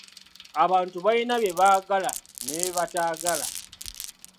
Abantu balina bye baagala ne bye bataagala.